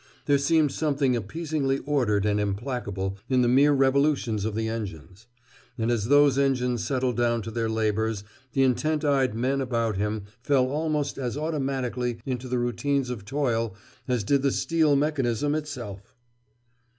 There seemed something appeasingly ordered and implacable in the mere revolutions of the engines. And as those engines settled down to their labors the intent eyed men about him fell almost as automatically into the routines of toil as did the steel mechanism itself.